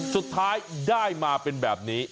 สุดท้ายได้มาเป็นแบบนี้